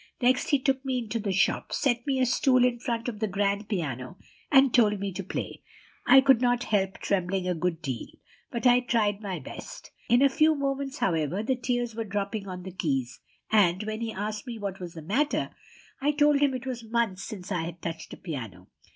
Next he took me into the shop, set me a stool in front of a grand piano, and told me to play. I could not help trembling a good deal, but I tried my best. In a few moments, however, the tears were dropping on the keys; and, when he asked me what was the matter, I told him it was months since I had touched a piano.